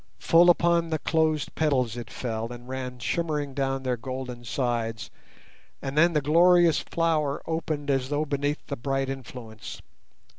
Full upon the closed petals it fell and ran shimmering down their golden sides, and then the glorious flower opened as though beneath the bright influence.